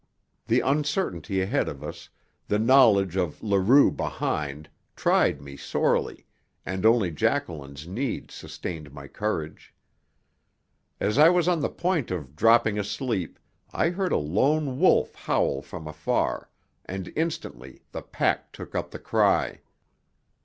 The uncertainty ahead of us, the knowledge of Leroux behind, tried me sorely, and only Jacqueline's need sustained my courage. As I was on the point of dropping asleep I heard a lone wolf howl from afar, and instantly the pack took up the cry.